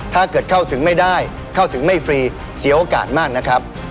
ถ้าเกิดเข้าถึงไม่ได้เข้าถึงไม่ฟรีเสียโอกาสมากนะครับ